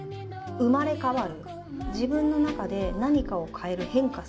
生まれ変わる？